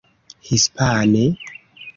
Hispane?